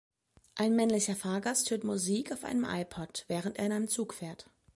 Ein männlicher Fahrgast hört Musik auf einem iPod, während er in einem Zug fährt.